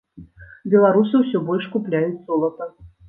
Беларусы ўсё больш купляюць золата.